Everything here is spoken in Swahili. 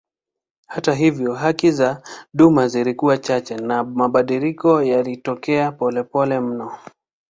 Hata hivyo haki za duma zilikuwa chache na mabadiliko yalitokea polepole mno.